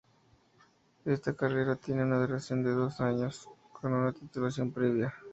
Esta carrera tiene una duración de dos años, con una titulación previa.